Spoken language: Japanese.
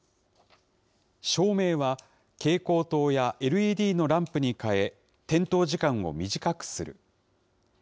照明は、蛍光灯やＬＥＤのランプに変え、点灯時間を短くする。